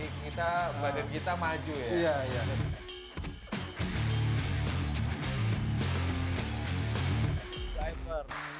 kita badan kita maju ya